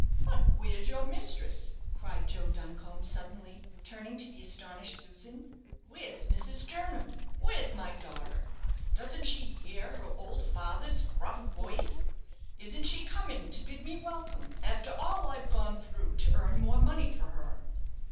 But where's your mistress?" cried Joe Duncombe, suddenly, turning to the astonished Susan. "Where's Mrs. Jernam? where's my daughter? Doesn't she hear her old father's gruff voice? Isn't she coming to bid me welcome after all I've gone through to earn more money for her?"